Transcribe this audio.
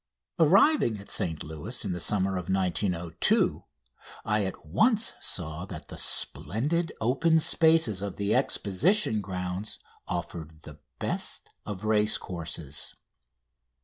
Arriving at St Louis in the summer of 1902, I at once saw that the splendid open spaces of the Exposition Grounds offered the best of racecourses.